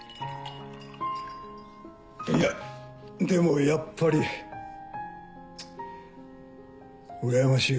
いやでもやっぱりうらやましいよ。